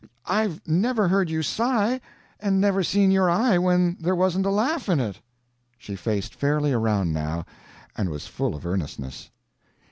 I've never heard you sigh, and never seen your eye when there wasn't a laugh in it." She faced fairly around now, and was full earnestness.